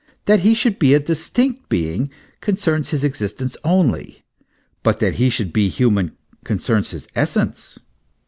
That he should be a distinct being concerns his existence only; but that he should be human concerns his essence.